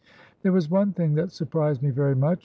'' There was one thing that surprised me very much.